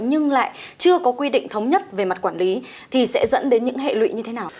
nhưng lại chưa có quy định thống nhất về mặt quản lý thì sẽ dẫn đến những hệ lụy như thế nào